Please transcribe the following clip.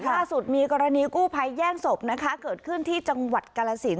ล่าสุดมีกรณีกู้ภัยแย่งศพนะคะเกิดขึ้นที่จังหวัดกาลสิน